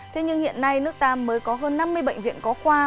thế nhưng hiện nay nước ta mới có hơn năm mươi bệnh viện có khoa